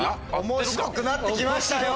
面白くなって来ましたよ！